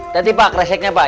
tati pak reseknya pak